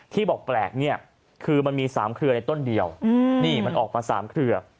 ที่บอกแปลกเนี่ยคือมันมี๓เครือในต้นเดียวนี่มันออกมา๓เครือ